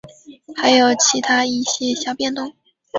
还有其它一些小变动。